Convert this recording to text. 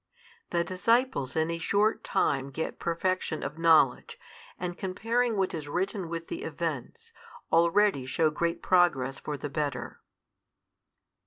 The disciples in a short time get perfection of knowledge, and comparing what is written with the events, already shew great progress for the better.